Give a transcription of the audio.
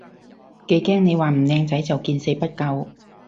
幾驚你話唔靚仔就見死不救